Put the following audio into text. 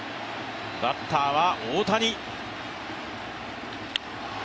バッターは大谷。